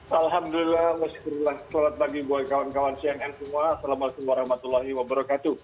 alhamdulillah mas selamat pagi buat kawan kawan cnn semua assalamualaikum warahmatullahi wabarakatuh